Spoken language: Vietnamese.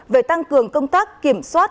về tăng cường công tác kiểm soát